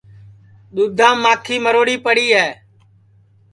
دُؔدھام ماکھی مروڑی پڑی ہے